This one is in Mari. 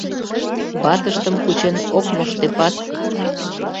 Ватыштым кучен ок моштепат